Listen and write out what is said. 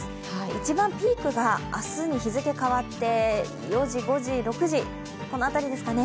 一番ピークが明日に日付変わって４時、５時、６時、この辺りですかね。